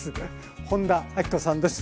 本田明子さんです。